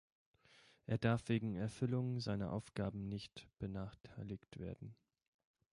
Er darf wegen Erfüllung seiner Aufgaben nicht benachteiligt werden.